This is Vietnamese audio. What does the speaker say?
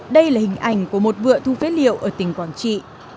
đây là hình ảnh của một vựa thu phế liệu ở tỉnh quảng trị